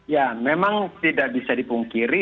ya memang tidak bisa dipungkiri